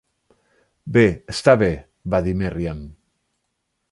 "Bé, està bé", va dir Merriam.